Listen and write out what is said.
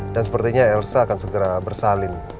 dan sepertinya elsa akan segera bersalin